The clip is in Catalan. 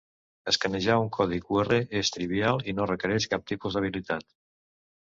Escanejar un codi QR és trivial y no requereix cap tipus d'habilitat.